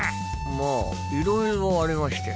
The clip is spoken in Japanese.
まあいろいろありまして。